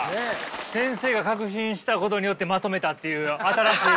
先生が確信したことによってまとめたっていう新しい。